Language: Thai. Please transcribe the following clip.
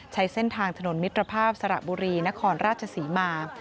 ใช้เส้นทางถนนมิตรภาพสระบุรีนครราชศรีมา